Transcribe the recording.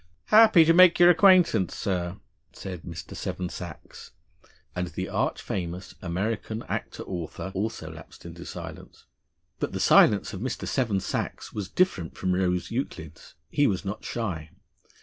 "Happy to make your acquaintance, sir," said Mr. Seven Sachs, and the arch famous American actor author also lapsed into silence. But the silence of Mr. Seven Sachs was different from Rose Euclid's. He was not shy.